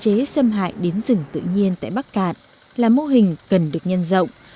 thế giới xâm hại đến rừng tự nhiên tại bắc cạn là mô hình cần được nhân rộng